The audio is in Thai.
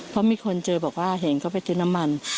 เพราะมีคนเจอบอกว่าเห็นเขาไปซื้อน้ำมัน